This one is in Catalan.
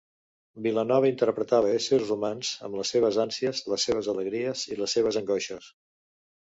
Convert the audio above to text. Vilanova interpretava éssers humans amb les seves ànsies, les seves alegries i les seves angoixes.